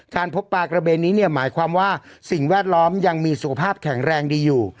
พบปลากระเบนนี้เนี่ยหมายความว่าสิ่งแวดล้อมยังมีสุขภาพแข็งแรงดีอยู่